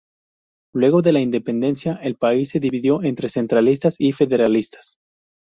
Luego de la independencia, el país se dividió entre centralistas y federalistas.